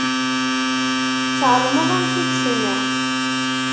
Tεelmeḍ amek i d-tenna?